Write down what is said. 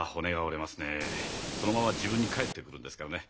そのまま自分に返ってくるんですからね。